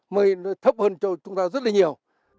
mây nó thấp hơn chúng ta rất là nhiều